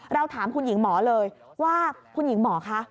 ถามคุณหญิงหมอเลยว่าคุณหญิงหมอคะ